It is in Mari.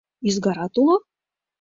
— Ӱзгарат уло?